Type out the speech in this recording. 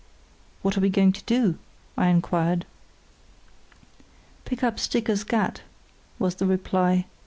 "What are we going to do?" I inquired. "Pick up Sticker's Gat," was the reply.